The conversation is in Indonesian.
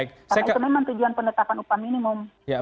karena itu memang tujuan penetapan upah minimum